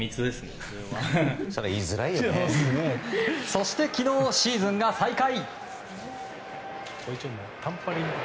そして、昨日シーズンが再開。